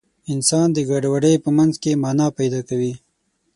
انسان د ګډوډۍ په منځ کې مانا پیدا کوي.